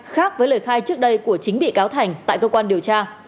khác với lời khai trước đây của chính bị cáo thành tại cơ quan điều tra